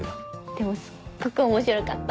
でもすっごく面白かった。